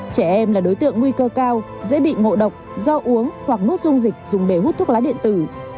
trẻ em là đối tượng nguy cơ cao dễ bị ngộ độc do uống hoặc nút dung dịch dùng để hút thuốc lá điện tử